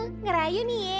huh ngerayu nye